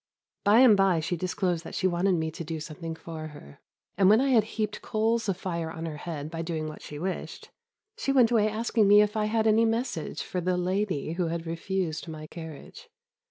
By and by she disclosed that she wanted me to do something for her, and, when I had heaped coals of fire on her head by doing what she wished, she went away asking me if I had any message for the lady who had refused my carriage!